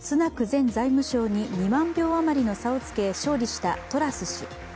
前財務相に２万票あまりの差をつけ勝利したトラス氏。